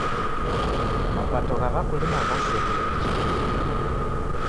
Mapato gha w'akulima ghaserie ichi kimu.